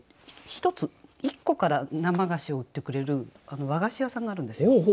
１つ１個から生菓子を売ってくれる和菓子屋さんがあるんですよ。